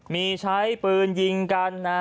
มีใช้ปืนยิงกันนะ